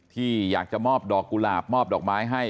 ที่อยากจะมอบดอกกุหลาบมอบดอกไม้ให้